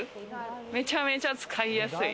めちゃめちゃ使いやすい。